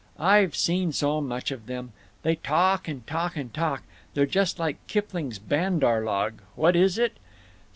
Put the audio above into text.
I've seen so much of them. They talk and talk and talk—they're just like Kipling's bandar log—What is it?